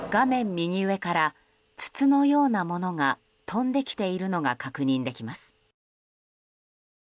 右上から筒のようなものが飛んできているのが確認できます。